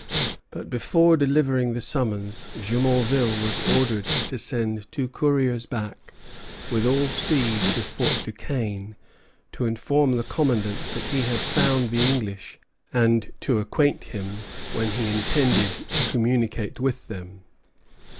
But before delivering the summons Jumonville was ordered to send two couriers back with all speed to Fort Duquesne to inform the commandant that he had found the English, and to acquaint him when he intended to communicate with them.